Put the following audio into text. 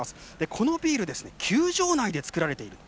このビールは球場内で造られている。